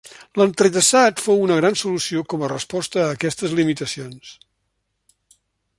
L'entrellaçat fou una gran solució com a resposta a aquestes limitacions.